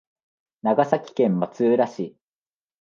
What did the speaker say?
長崎県松浦市